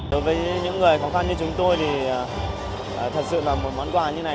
đối với những người khó khăn như chúng tôi thì thật sự là một món quà như này